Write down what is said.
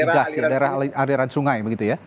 di das di daerah sungai begitu ya